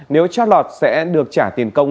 nếu chắc lọt sẽ được trả tiền công